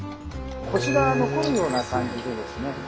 コシが残るような感じでですね